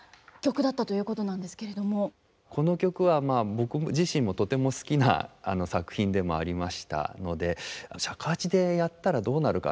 この曲は僕自身もとても好きな作品でもありましたので尺八でやったらどうなるかな。